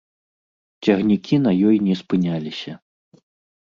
Цягнікі на ёй не спыняліся.